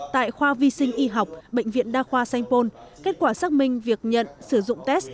tại khoa vi sinh y học bệnh viện đa khoa sanh pôn kết quả xác minh việc nhận sử dụng test